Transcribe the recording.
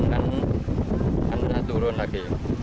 dan turun lagi